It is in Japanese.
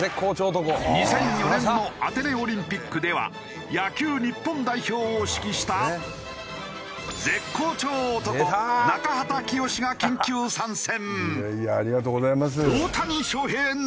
２００４年のアテネオリンピックでは野球日本代表を指揮した絶好調男中畑清が緊急参戦！